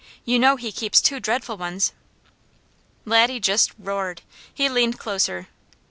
You know he keeps two dreadful ones." Laddie just roared. He leaned closer.